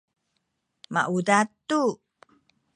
maudad tu